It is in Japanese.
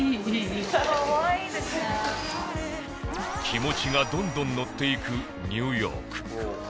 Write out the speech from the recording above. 気持ちがどんどんノっていくニューヨーク